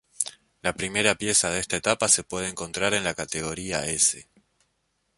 La primera pieza de esta etapa se puede encontrar en la categoría "S".